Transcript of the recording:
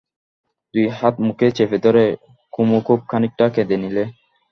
দুই হাতে মুখ চেপে ধরে কুমু খুব খানিকটা কেঁদে নিলে।